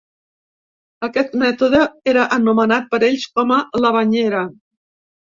Aquest mètode era anomenat per ells com a “la banyera”.